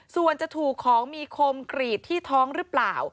ส่วนจะถูกของมีคมกรีดที่ท้องหรือเปล่า